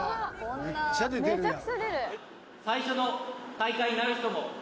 めっちゃ出てるやん。